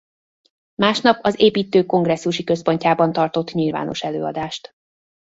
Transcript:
Másnap az Építők Kongresszusi Központjában tartott nyilvános előadást.